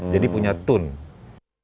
jadi punya tune